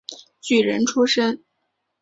举人出身。